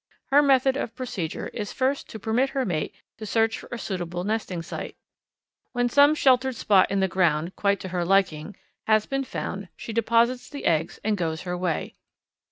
Her method of procedure is first to permit her mate to search for a suitable nesting site. When some sheltered spot in the ground, quite to her liking, has been found she deposits the eggs and goes her way.